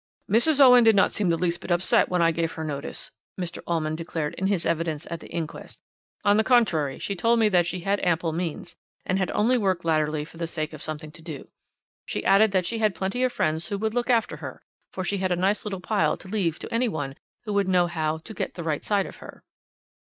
"'Mrs. Owen did not seem the least bit upset when I gave her notice,' Mr. Allman declared in his evidence at the inquest; 'on the contrary, she told me that she had ample means, and had only worked latterly for the sake of something to do. She added that she had plenty of friends who would look after her, for she had a nice little pile to leave to any one who would know how "to get the right side of her."'